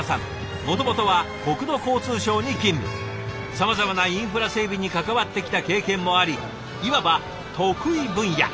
さまざまなインフラ整備に関わってきた経験もありいわば得意分野。